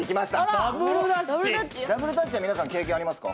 ダブルダッチは皆さん経験ありますか？